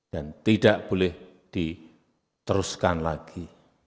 dan tidak boleh diteruskan lagi